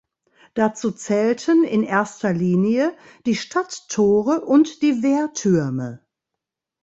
Dazu zählten in erster Linie die Stadttore und die Wehrtürme.